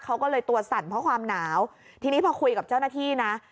เขาก็เลยตัวสั่นเพราะความหนาวทีนี้พอคุยกับเจ้าหน้าที่นะ